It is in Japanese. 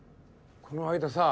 この間さ